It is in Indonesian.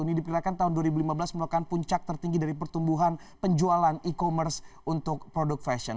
ini diperkirakan tahun dua ribu lima belas merupakan puncak tertinggi dari pertumbuhan penjualan e commerce untuk produk fashion